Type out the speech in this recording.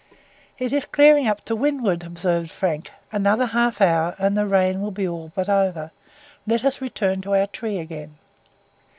"It is clearing up to windward," observed Frank; "another half hour and the rain will be all but over; let us return to our tree again."